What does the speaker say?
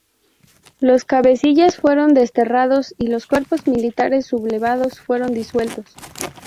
Los cabecillas fueron desterrados y los cuerpos militares sublevados fueron disueltos.